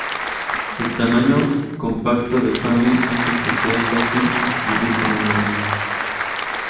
El tamaño compacto de Fame hace que sea fácil escribir con una mano.